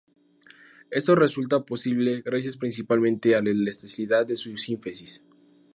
Esto resulta posible gracias principalmente a la elasticidad de su sínfisis.